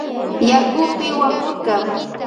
Yakupi wapurka.